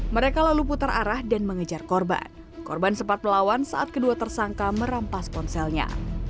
mereka lalu putar arah dan mengejar korban korban sempat melawan saat kedua tersangka merampas ponselnya